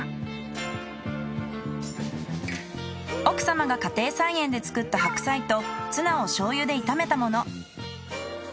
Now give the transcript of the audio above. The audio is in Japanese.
奥様が家庭菜園で作った白菜とツナを醤油で炒めたもの。